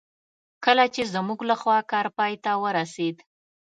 کله چې زموږ لخوا کار پای ته ورسېد.